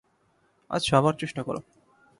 আচ্ছা, আবার চেষ্টা কর।